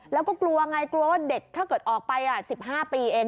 แล้วก็กลัวไงกลัวว่าเด็กถ้าเกิดออกไป๑๕ปีเอง